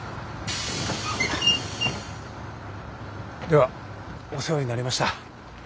ではお世話になりました。